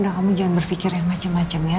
udah kamu jangan berpikir yang macem macem ya